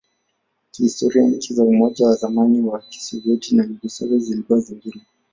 Kihistoria, nchi za Umoja wa zamani wa Kisovyeti na Yugoslavia zilikuwa zingine.